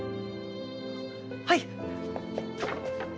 はい！